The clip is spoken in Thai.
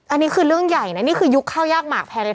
อันนี้คือเรื่องใหญ่นะนี่คือยุคข้าวยากหมากแพรเลย